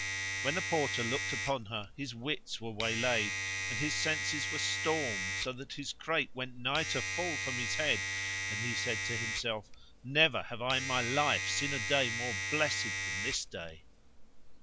When the Porter looked upon her his wits were waylaid, and his senses were stormed so that his crate went nigh to fall from his head, and he said to himself, "Never have I in my life seen a day more blessed than this day!"